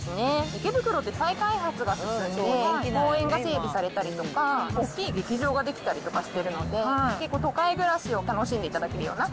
池袋って再開発が進んで、公園が整備されたりとか、大きい劇場が出来たりとかしてるので、都会暮らしを楽しんでいただけるような。